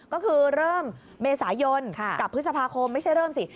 ก็คือเริ่มเมษายนกับพฤษภาคมไม่ใช่เริ่มสิ